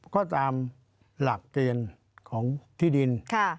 ก็ตามหลักเกณฑ์ของที่ดิน